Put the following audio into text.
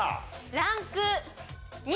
ランク２。